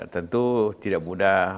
tentu tidak mudah